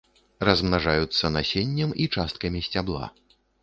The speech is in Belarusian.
Размнажаюцца насеннем і часткамі сцябла.